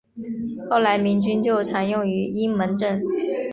后来民军就常用阴门阵。